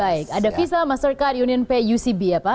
baik ada visa mastercard unionpay ucb ya pak